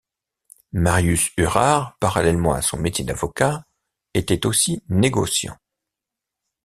Marius Hurard, parallèlement à son métier d'avocat, était aussi négociant.